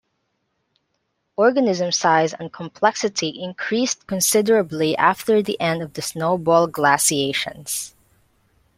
Organism size and complexity increased considerably after the end of the snowball glaciations.